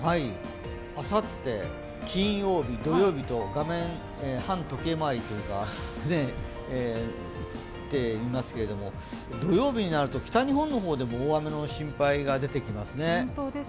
あさって、金曜日、土曜日と画面は反時計回りになっていますけれども、土曜日になると、北日本の方でも大雨の心配が出てきますね。